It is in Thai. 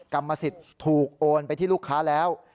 กรรมสิทธิ์ถูกโอนไปที่ลูกค้าแล้ว